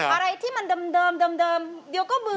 อะไรที่มันเดิมเดี๋ยวก็มือ